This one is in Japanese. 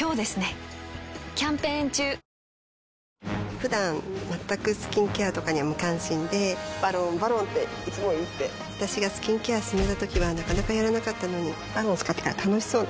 ふだん全くスキンケアとかに無関心で「ＶＡＲＯＮ」「ＶＡＲＯＮ」っていつも言って私がスキンケア勧めたときはなかなかやらなかったのに「ＶＡＲＯＮ」使ってから楽しそうだよね